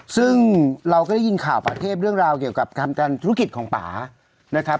ซึ่งเราก็ได้ยินข่าวป่าเทพเรื่องราวเกี่ยวกับการธุรกิจของป่านะครับ